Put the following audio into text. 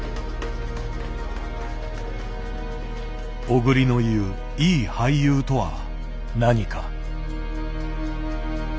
小栗の言う「いい俳優」とは何か。